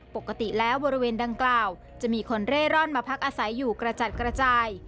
ปกติแล้วบริเวณดังกล่าวจะมีคนเร่ร่อนมาพักอาศัยอยู่กระจัดกระจาย